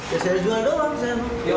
ya saya jual doang